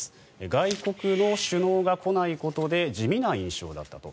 外国の首脳が来ないことで地味な印象だったと。